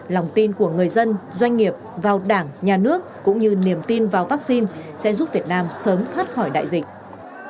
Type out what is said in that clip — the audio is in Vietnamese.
lòng tin của người dân doanh nghiệp vào đảng nhà nước cũng như niềm tin vào vaccine sẽ giúp việt nam sớm thoát khỏi đại dịch